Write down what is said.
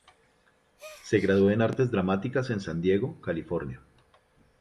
Se graduó en Artes Dramáticas en San Diego, California.